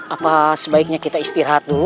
apa sebaiknya kita istirahat dulu